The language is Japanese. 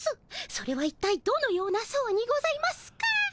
それはいったいどのような相にございますか？